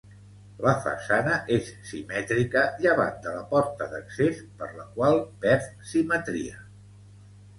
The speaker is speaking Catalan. La façana és simètrica llevat de la porta d'accés per la qual perd simetria.